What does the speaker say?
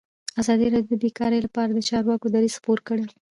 ازادي راډیو د بیکاري لپاره د چارواکو دریځ خپور کړی.